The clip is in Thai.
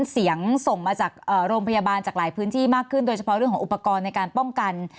เสียงส่งมาจากโรงพยาบาลจากหลายพื้นที่มากขึ้นโดยเฉพาะเรื่องของอุปกรณ์ในการป้องกัน